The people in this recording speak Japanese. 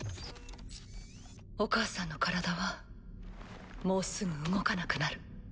お母さんの体はもうすぐ動かなくなる。